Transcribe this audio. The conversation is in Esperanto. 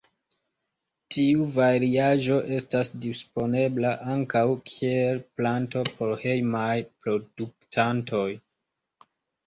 Tiu variaĵo estas disponebla ankaŭ kiel planto por hejmaj produktantoj.